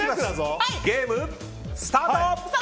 ゲームスタート！